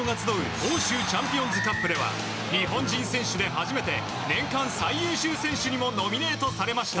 欧州チャンピオンズカップでは日本人選手で初めて年間最優秀選手にもノミネートされました。